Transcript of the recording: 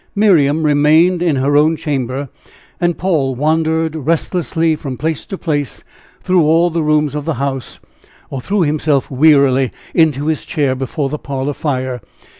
Miriam remained in her own chamber; and Paul wandered restlessly from place to place through all the rooms of the house, or threw himself wearily into his chair before the parlor fire.